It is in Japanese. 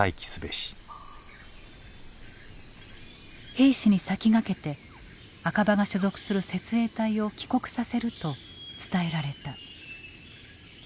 兵士に先駆けて赤羽が所属する設営隊を帰国させると伝えられた。